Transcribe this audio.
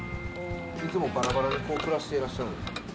いつもばらばらで暮らしていらっしゃるんですか。